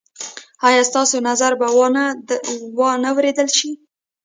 ایا ستاسو نظر به وا نه وریدل شي؟